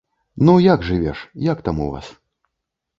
Ну, як жывеш, як там у вас?